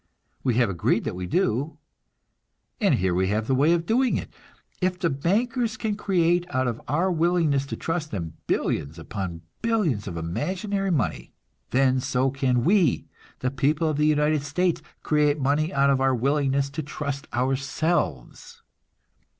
We have agreed that we do; and here we have the way of doing it. If the bankers can create, out of our willingness to trust them, billions upon billions of imaginary money, then so can we, the people of the United States, create money out of our willingness to trust ourselves.